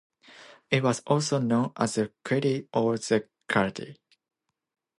It was also known as the quelili or the calalie.